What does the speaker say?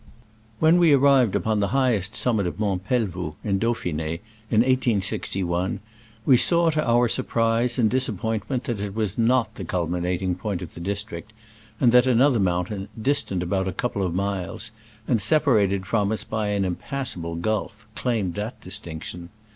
WHEN we arrived upon the highest summit of Mont Pelvoux, in Dau phin^, in 1861, we saw, to our surprise and disappointment, that it was not the culminating point of the district, and that another mountain, distant about a cou ple of miles, and separated from us by an impassable gulf, claimed that dis tinction.